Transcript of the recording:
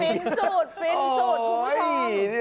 นี่นะครับ